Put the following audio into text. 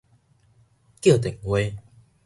叫電話